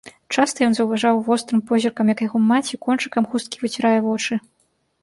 Часта ён заўважаў вострым позіркам, як яго маці кончыкамі хусткі выцірае вочы.